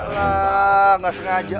alah gak sengaja